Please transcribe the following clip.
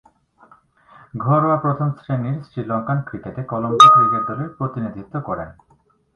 ঘরোয়া প্রথম-শ্রেণীর শ্রীলঙ্কান ক্রিকেটে কলম্বো ক্রিকেট দলের প্রতিনিধিত্ব করেন।